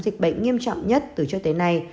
dịch bệnh nghiêm trọng nhất từ trước tới nay